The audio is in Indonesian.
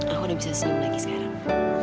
aku udah bisa sam lagi sekarang